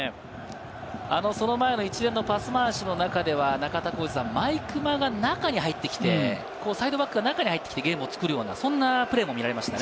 その前の一連のパス回しの中では、中田さん、毎熊が中に入ってきて、サイドバックが中に入ってきて、ゲームを作るようなプレーも見られましたね。